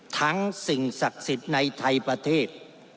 สิ่งศักดิ์สิทธิ์ในไทยประเทศ